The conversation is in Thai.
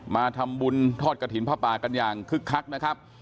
มาทำบุญทอดกระถิ่นผ้าป่ากันอย่างคึกคักนะครับ